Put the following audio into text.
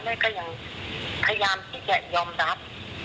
ก็ยังพยายามที่จะยอมรับ